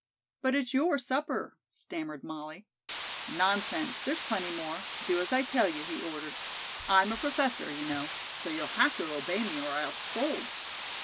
"But it's your supper," stammered Molly. "Nonsense, there's plenty more. Do as I tell you," he ordered. "I'm a professor, you know, so you'll have to obey me or I'll scold."